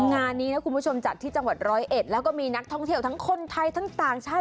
งานนี้นะคุณผู้ชมจัดที่จังหวัดร้อยเอ็ดแล้วก็มีนักท่องเที่ยวทั้งคนไทยทั้งต่างชาติ